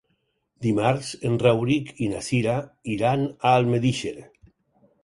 Dimarts en Rauric i na Cira iran a Almedíxer.